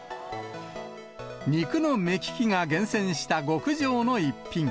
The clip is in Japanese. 肉の目利きが厳選した極上の逸品。